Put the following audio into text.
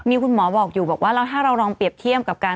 มีคุณหมอบอกอยู่บอกว่าแล้วถ้าเราลองเปรียบเทียบกับการ